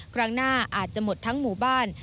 ครั้งหน้าอาจจะหมดทั้งหมู่บ้าน